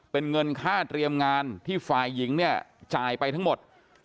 เป็นเงินค่าเตรียมงานที่ฝ่ายหญิงเนี่ยจ่ายไปทั้งหมด